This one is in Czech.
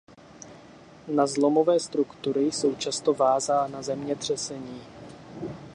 Na zlomové struktury jsou často vázána zemětřesení.